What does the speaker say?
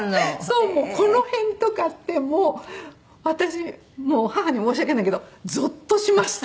この辺とかってもう私母に申し訳ないけどゾッとしました。